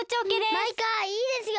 マイカいいですよ。